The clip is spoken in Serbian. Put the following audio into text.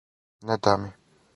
Не да ми.